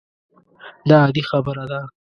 دا عادي خبره ده.